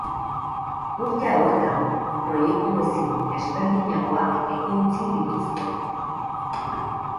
Urte hauetan proiektu ezin ezberdinagoak ekoitzi dituzte.